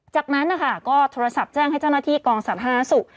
จากนั้นนะคะก็โทรศัพท์แจ้งให้เจ้าหน้าที่กองสาธารณสุข